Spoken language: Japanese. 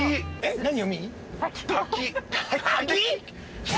何？